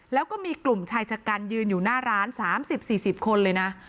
แล้วก็มีกลุ่มชายชะกันยืนอยู่หน้าร้าน๓๐๔๐คนเลยนะ